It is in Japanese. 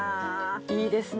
いいですね。